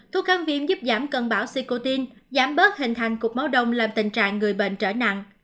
thuốc kháng viêm giúp giảm cân bảo xy cô tin giảm bớt hình thành cục máu đông làm tình trạng người bệnh trở nặng